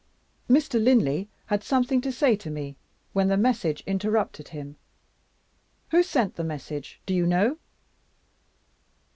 Mr. Linley had something to say to me, when the message interrupted him. Who sent the message? Do you know?